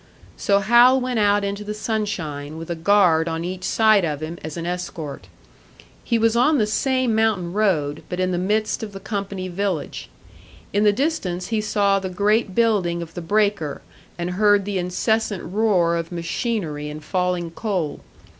So Hal went out into the sunshine, with a guard on each side of him as an escort. He was on the same mountain road, but in the midst of the company village. In the distance he saw the great building of the breaker, and heard the incessant roar of machinery and falling coal.